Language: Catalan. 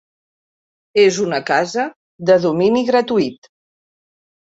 És una casa de domini gratuït.